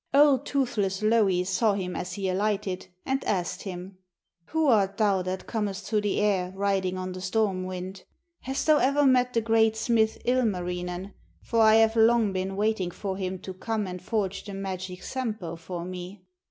Old toothless Louhi saw him as he alighted, and asked him: 'Who art thou that comest through the air, riding on the storm wind? Hast thou ever met the great smith Ilmarinen, for I have long been waiting for him to come and forge the magic Sampo for me.'